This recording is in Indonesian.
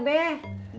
berarti pergi be